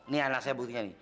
ini anak saya buktinya nih